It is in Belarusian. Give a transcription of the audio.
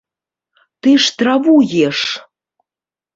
Ты ж траву еш!